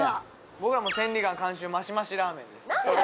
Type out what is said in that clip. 僕らは千里眼監修濃厚マシマシラーメンです